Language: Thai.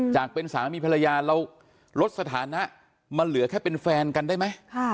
จากเป็นสามีภรรยาเราลดสถานะมันเหลือแค่เป็นแฟนกันได้ไหม